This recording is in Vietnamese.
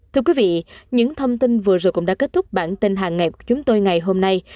thưa quý vị những thông tin vừa rồi cũng đã kết thúc bản tin hàng ngày của chúng tôi ngày hôm nay